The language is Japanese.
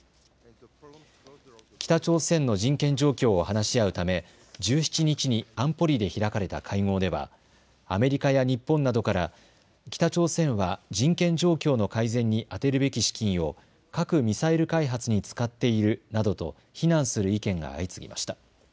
北朝鮮の人権状況を話し合うため１７日に安保理で開かれた会合ではアメリカや日本などから北朝鮮は人権状況の改善に充てるべき資金を核・ミサイル開発に使っているなどと非難する意見が相次ぎました。